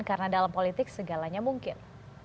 karena dalam politik segalanya mungkin